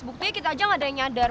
buktinya kita aja gak ada yang nyadar